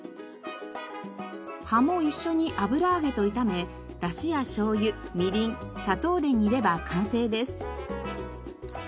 葉も一緒に油揚げと炒めダシやしょうゆみりん砂糖で煮れば完成です。